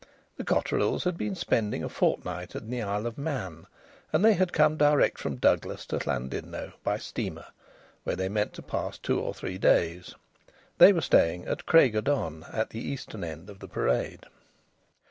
The Cotterills had been spending a fortnight in the Isle of Man, and they had come direct from Douglas to Llandudno by steamer, where they meant to pass two or three days. They were staying at Craig y don, at the eastern end of the Parade.